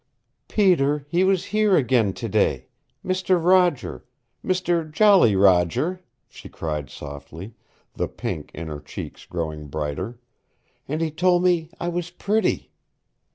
"Peter, he was here ag'in today Mister Roger Mister Jolly Roger," she cried softly, the pink in her cheeks growing brighter. "And he told me I was pretty!"